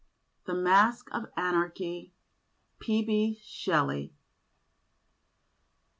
'" The Mask of Anarchy, P. B. SHELLEY.